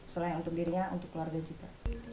selain untuk dirinya untuk keluarga juga